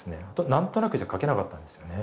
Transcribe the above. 何となくじゃ描けなかったんですよね。